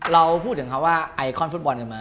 เราพูดถึงคำว่าไอคอนฟุตบอลกันมา